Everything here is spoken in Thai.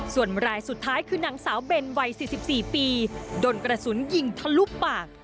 ส่วนรายสุดท้ายคือนางสาวเบนวัย๔๔ปีโดนกระสุนยิงทะลุปาก